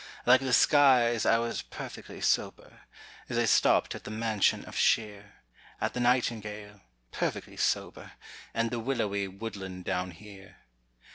Like the skies, I was perfectly sober, As I stopped at the mansion of Shear, At the Nightingale, perfectly sober, And the willowy woodland down here.